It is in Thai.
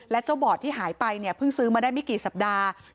และเจ้าบอร์ดที่หายไปเนี่ยเพิ่งซื้อมาได้ไม่กี่สัปดาห์